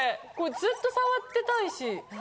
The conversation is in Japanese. ずっと触ってたいし。